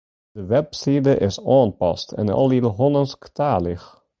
De webside is oanpast en alhiel Hollânsktalich